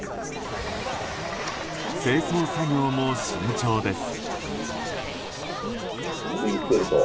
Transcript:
清掃作業も慎重です。